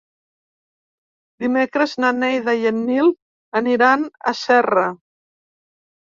Dimecres na Neida i en Nil aniran a Serra.